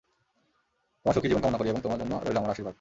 তোমার সুখী জীবন কামনা করি এবং তোমার জন্য রইল আমার আশীর্বাদ।